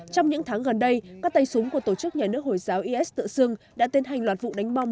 trong những tháng gần đây các tay súng của tổ chức nhà nước hồi giáo is tự xưng đã tiến hành loạt vụ đánh bom